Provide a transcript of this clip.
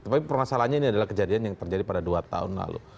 tapi permasalahannya ini adalah kejadian yang terjadi pada dua tahun lalu